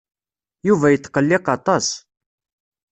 Yuba yetqelliq aṭas.